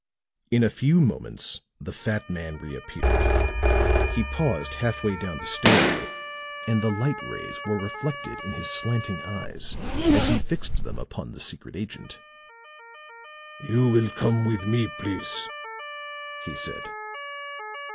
In a few moments the fat man reappeared. He paused half way down the stairway, and the light rays were reflected in his slanting eyes as he fixed them upon the secret agent. "You will come with me, please," he said.